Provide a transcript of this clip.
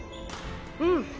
うん！